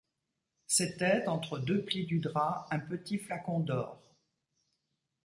C’était, entre deux plis du drap, un petit flacon d’or.